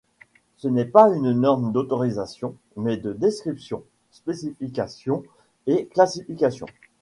Ce n'est pas une norme d'autorisation mais de description, spécifications et classification.